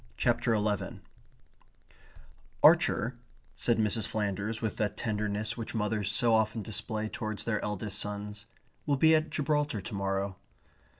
CHAPTER ELEVEN "Archer," said Mrs. Flanders with that tenderness which mothers so often display towards their eldest sons, "will be at Gibraltar to morrow."